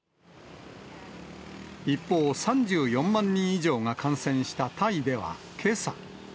一方、３４万人以上が感染したタイではけさ。